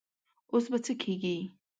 اوس به څه کيږي؟